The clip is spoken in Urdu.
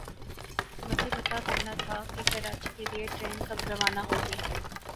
مجھے پتا کرنا تھا کے کراچی کےلیے ٹرین کب روانہ ہو گی۔